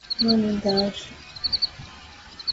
none ndaje